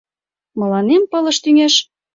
Мыланем пылыш тӱҥеш?